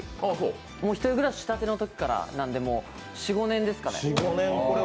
１人暮らししたてのときからなんでもう４５年ですかね。